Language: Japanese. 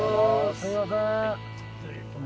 すみません。